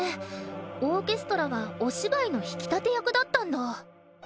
オーケストラはお芝居の引き立て役だったんだ。